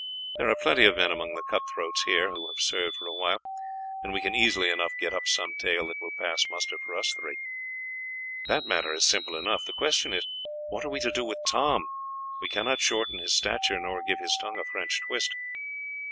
There are plenty of men among the cut throats here who have served for a while, and we can easily enough get up some tale that will pass muster for us three. That matter is simple enough, the question is, what are we to do with Tom? We cannot shorten his stature, nor give his tongue a French twist."